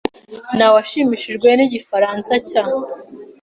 Naweshimishijwe nigifaransa cya .